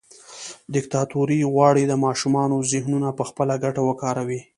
دیکتاتوري غواړي د ماشومانو ذهنونه پخپله ګټه وکاروي.